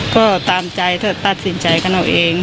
ก็ตามใจถ้าตัดสินใจกันเอาเอง